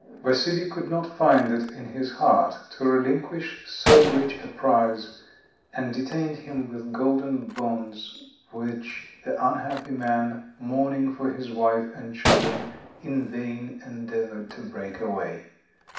Vassili could not find it in his heart to relinquish so rich a prize, and detained him with golden bonds, which the unhappy man, mourning for his wife and children, in vain endeavored to break away.